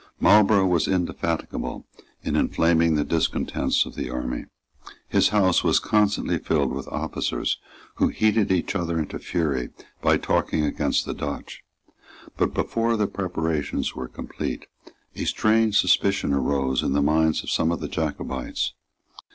Marlborough was indefatigable in inflaming the discontents of the army. His house was constantly filled with officers who heated each other into fury by talking against the Dutch. But, before the preparations were complete, a strange suspicion rose in the minds of some of the Jacobites.